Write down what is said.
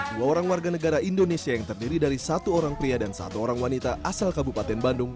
dua orang warga negara indonesia yang terdiri dari satu orang pria dan satu orang wanita asal kabupaten bandung